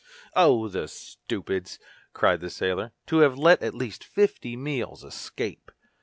"Oh! the stupids!" cried the sailor, "to have let at least fifty meals escape!"